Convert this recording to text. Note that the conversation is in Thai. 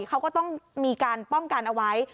เขาก็ต้องมีการป้องกันเอาไว้